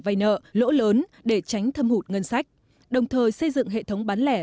vay nợ lỗ lớn để tránh thâm hụt ngân sách đồng thời xây dựng hệ thống bán lẻ